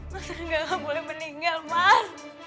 mas rangga gak boleh meninggal mas